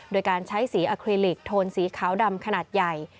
โดยการใช้สีอคลิลิกโทนสีขาวดำขนาดใหญ่